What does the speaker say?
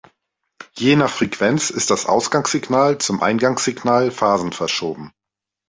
Je nach Frequenz ist das Ausgangssignal zum Eingangssignal phasenverschoben.